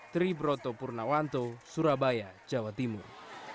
tri broto purnawanto surabaya jawa timur